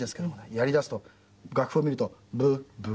やりだすと楽譜を見るとブッブッブッブッ